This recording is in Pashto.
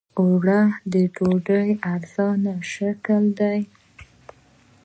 اوړه د ډوډۍ ارزانه شکل دی